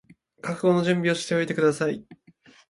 覚悟の準備をしておいてください